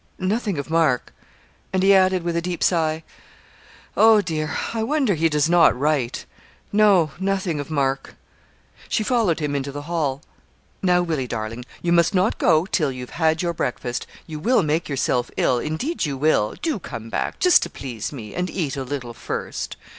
nothing of Mark.' And he added with a deep sigh, 'Oh, dear! I wonder he does not write no, nothing of Mark.' She followed him into the hall. 'Now, Willie darling, you must not go till you have had your breakfast you will make yourself ill indeed you will do come back, just to please me, and eat a little first.'